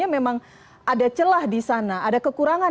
tidak ada yang